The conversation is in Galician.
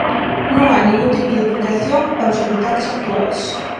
Non hai ningún tipo de protección para os habitantes actuais.